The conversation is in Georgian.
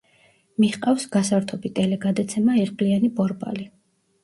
მიჰყავს გასართობი ტელეგადაცემა „იღბლიანი ბორბალი“.